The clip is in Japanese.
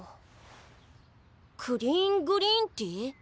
クリーングリーンティ？